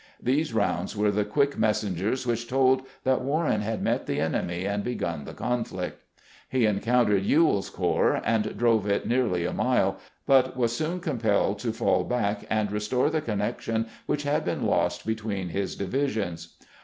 These sounds were the quick messengers which told that Warren had met the enemy and begun the conflict. He encountered Ewell's corps, and drove it nearly a mile, but was soon IN THE WILDERNESS 51 compelled to fall back and restore the connection which had been lost between his divisions.